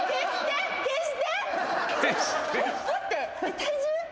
体重？